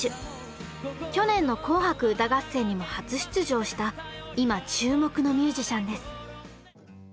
去年の「紅白歌合戦」にも初出場した今注目のミュージシャンです。